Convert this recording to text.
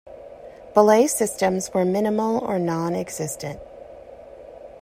Belay systems were minimal or non-existent.